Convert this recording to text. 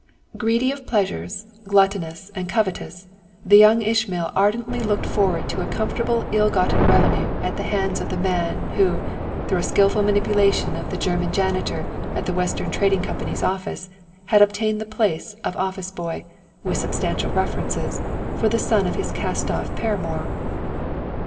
Greedy of pleasures, gluttonous and covetous, the young Ishmael ardently looked forward to a comfortable ill gotten revenue at the hands of the man, who through a skilful manipulation of the German janitor of the Western Trading Company's office had obtained the place of office boy, "with substantial references," for the son of his cast off paramour.